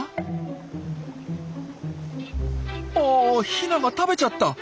あヒナが食べちゃった。